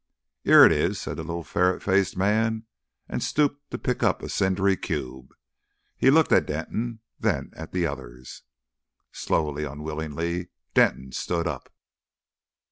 "'Ere it is," said the little ferret faced man, and stooped to pick up a cindery cube. He looked at Denton, then at the others. Slowly, unwillingly, Denton stood up.